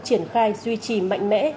triển khai duy trì mạnh mẽ